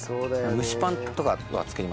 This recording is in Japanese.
蒸しパンとかは作りますけど。